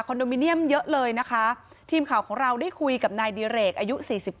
โมเนียมเยอะเลยนะคะทีมข่าวของเราได้คุยกับนายดิเรกอายุ๔๗